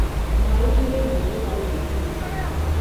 Mawu yi le miwo gbe do te.